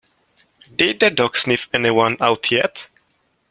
Did the dog sniff anyone out yet?